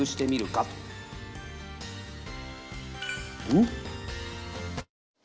うん？